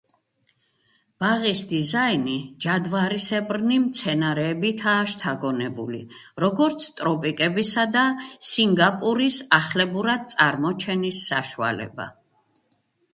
ბაღის დიზაინი ჯადვარისებრნი მცენარეებითაა შთაგონებული, როგორც ტროპიკებისა და სინგაპურის ახლებურად წარმოჩენის საშუალება.